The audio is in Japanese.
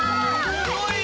すごいよ。